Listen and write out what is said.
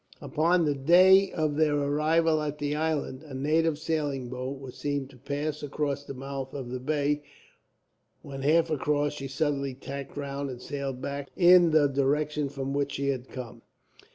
Upon the day of their arrival at the island, a native sailing boat was seen to pass across the mouth of the bay. When half across, she suddenly tacked round and sailed back in the direction from which she had come.